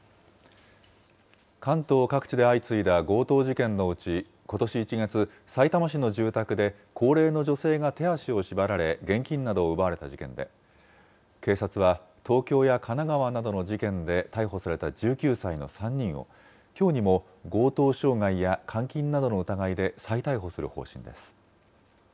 関東各地で相次いだ強盗事件のうち、ことし１月、さいたま市の住宅で、高齢の女性が手足を縛られ、現金などを奪われた事件で、警察は東京や神奈川などの事件で逮捕された１９歳の３人を、きょうにも強盗傷害や監禁などの疑いで再逮捕する方針です。